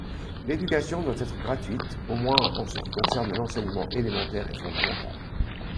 L’éducation doit être gratuite, au moins en ce qui concerne l’enseignement élémentaire et fondamental.